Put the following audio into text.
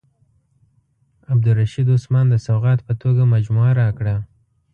عبدالرشید عثمان د سوغات په توګه مجموعه راکړه.